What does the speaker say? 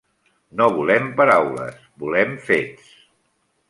No volem paraules, volem fets.